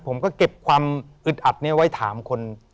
ผมก็เก็บความอึดอัดนี้ไว้ถามคน